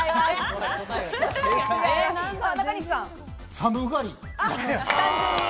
寒がり。